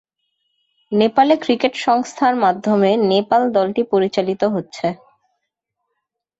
Nepal cricket সংস্থার মাধ্যমে নেপাল দলটি পরিচালিত হচ্ছে।